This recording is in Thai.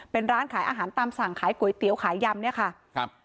เป็นร้านขายอาหารตามสั่งขายก๋วยเตี๋ยวขายยำเนี่ยค่ะครับ